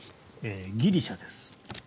ギリシャです。